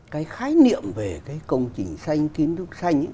cái khái niệm về cái công trình xanh kiến thức xanh